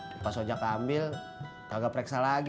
tadi pas ojak ambil gak pereksa lagi